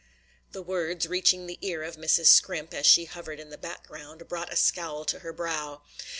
The words, reaching the ear of Mrs. Scrimp, as she hovered in the background, brought a scowl to her brow.